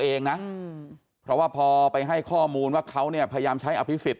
เองนะเพราะว่าพอไปให้ข้อมูลว่าเขาเนี่ยพยายามใช้อภิษฎ